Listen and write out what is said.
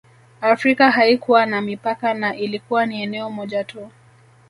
Afrika haikuwa na mipaka na ilikuwa ni eneo moja tu